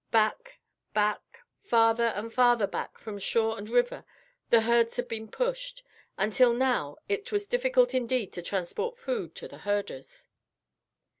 Back, back, farther and farther back from shore and river the herds had been pushed, until now it was difficult indeed to transport food to the herders.